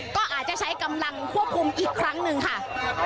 ก็อาจจะใช้กำลังควบคุมอีกครั้งหนึ่งค่ะ